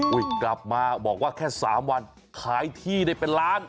กลับมาบอกว่าแค่๓วันขายที่ได้เป็นล้าน